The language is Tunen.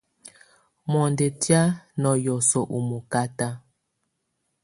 Mɔndɔ tɛ̀á ná hiɔsɔ u mɔkata.